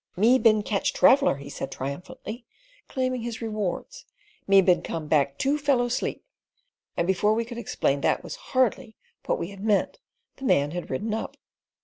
"Me bin catch traveller," he said triumphantly, claiming his rewards, "Me bin come back two fellow sleep"; and before we could explain that was hardly what we had meant, the man had ridden up.